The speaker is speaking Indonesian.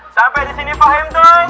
sampai disini paham dong